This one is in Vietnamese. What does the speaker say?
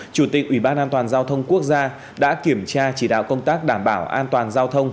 chủ tịch ủy ban an toàn giao thông quốc gia đã kiểm tra chỉ đạo công tác đảm bảo an toàn giao thông